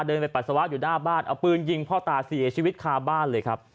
เดินไปปัสสาวะอยู่หน้าบ้านเอาปืนยิงพ่อตาเสียชีวิตคาบ้านเลยครับ